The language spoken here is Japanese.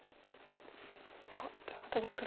さあということで黒